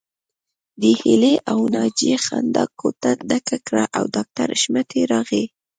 د هيلې او ناجيې خندا کوټه ډکه کړه او ډاکټر حشمتي راغی